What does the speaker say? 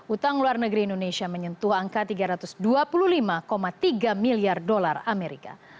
utang luar negeri indonesia menyentuh angka tiga ratus dua puluh lima tiga miliar dolar amerika